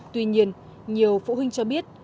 tuy nhiên nhiều phụ huynh cho biết